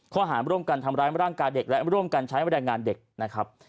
ข้อหารร่วมกันทำร้ายร่างกายเด็กและร่วมกันใช้บรรยายงานเด็กนะครับ